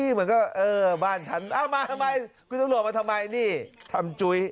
เหมือนกับเออบ้านฉันเอามาทำไมคุณตำรวจมาทำไมนี่ทำจุ้ย